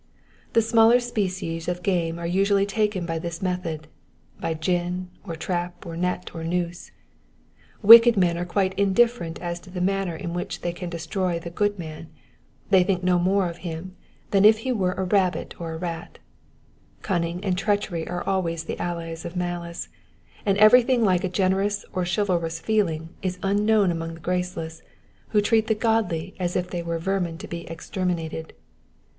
The smaller species of game are usually taken by this method, by gin, or trap, or net, or noose. Wicked men are quite indifferent as to the manner in which they can destroy the good man— they think no more of him than if he were a rabbit or a rat : cunning and treachery are always the allies of malice, and everything like a generous or chivalrous feeling is unknown among the graceless, who treat the godly as if they were vermin to be exterminated.